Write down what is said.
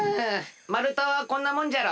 まるたはこんなもんじゃろ。